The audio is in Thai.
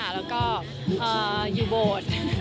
แล้วก็อยู่โบสถ์